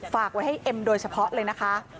ฝากไว้ให้เอ็มโดยเฉพาะเลยนะคะ